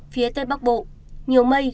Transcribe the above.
phía tây bắc bộ nhiều mây